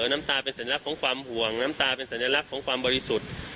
น้ำตาเป็นสัญลักษณ์ของความห่วงน้ำตาเป็นสัญลักษณ์ของความบริสุทธิ์